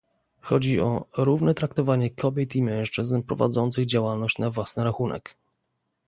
Chodzi o "równe traktowanie kobiet i mężczyzn prowadzących działalność na własny rachunek"